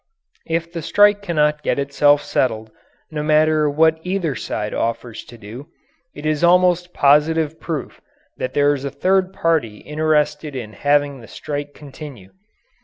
If the strike cannot get itself settled, no matter what either side offers to do, it is almost positive proof that there is a third party interested in having the strike continue.